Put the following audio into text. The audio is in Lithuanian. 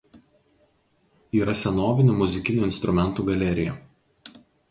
Yra senovinių muzikinių instrumentų galerija.